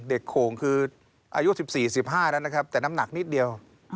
โข่งคืออายุ๑๔๑๕แล้วนะครับแต่น้ำหนักนิดเดียว